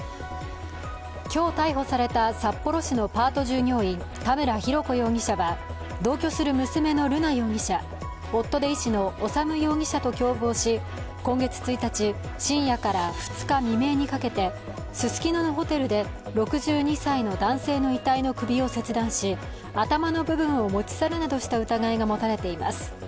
今日逮捕された札幌市のパート従業員、田村浩子容疑者は同居する娘の瑠奈容疑者、夫で医師の修容疑者と共謀し今月１日深夜から２日未明にかけてススキノのホテルで６２歳の男性の遺体の首を切断し、頭の部分を持ち去るなどした疑いが持たれています。